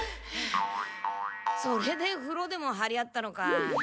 それでふろでもはり合ったのか。